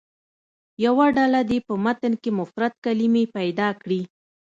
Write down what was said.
یوه ډله دې په متن کې مفرد کلمې پیدا کړي.